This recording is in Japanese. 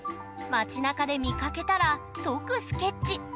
町なかで見かけたら即スケッチ。